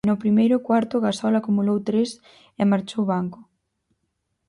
No primeiro cuarto Gasol acumulou tres e marchou banco.